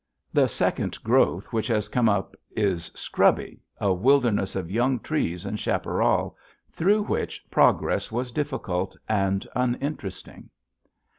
The second growth which has come up is scrubby, a wilderness of young trees and chaparral, through which progress was difficult and uninteresting.